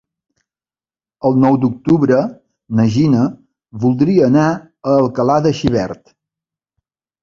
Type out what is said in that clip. El nou d'octubre na Gina voldria anar a Alcalà de Xivert.